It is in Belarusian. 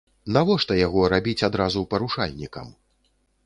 Навошта яго рабіць адразу парушальнікам?